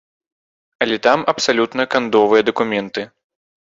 Але там абсалютна кандовыя дакументы.